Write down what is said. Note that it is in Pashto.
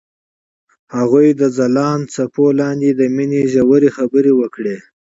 هغوی د ځلانده څپو لاندې د مینې ژورې خبرې وکړې.